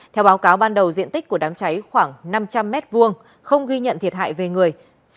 theo báo cáo ban đầu diện tích của đám cháy khoảng năm trăm linh m hai không ghi nhận thiệt hại về người